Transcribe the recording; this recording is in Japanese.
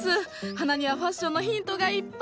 花にはファッションのヒントがいっぱい！